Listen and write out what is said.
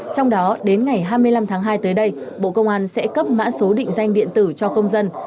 trong đó đến ngày hai mươi năm tháng hai tới đây bộ công an sẽ cấp mã số định danh điện tử cho công dân